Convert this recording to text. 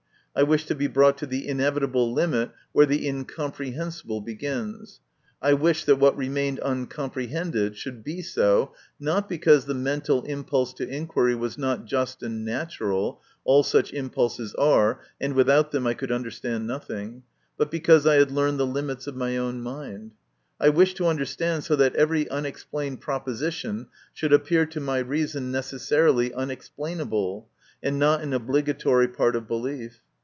I wished to be brought to the inevitable limit where the imcomprehensible begins ; I wished that what remained uncom prehended should be so, not because the mental impulse to inquiry was not just and natural (all such impulses are, and without them I could understand nothing), but because I had learned the limits of my own mind. I wished to understand so that every unex plained proposition should appear to my reason necessarily unexplainable, and not an obligatory part of belief.